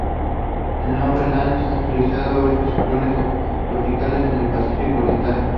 El nombre Lane se ha utilizado ocho ciclones tropicales en el Pacífico Oriental.